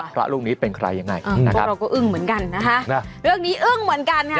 พระรูปนี้เป็นใครยังไงพวกเราก็อึ้งเหมือนกันนะคะเรื่องนี้อึ้งเหมือนกันค่ะ